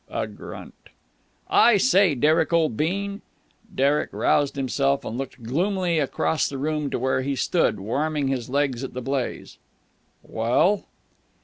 A grunt. "I say, Derek, old bean." Derek roused himself, and looked gloomily across the room to where he stood, warming his legs at the blaze. "Well?"